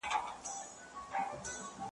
درته راوړمه به د پرخي نښتېځلي عطر `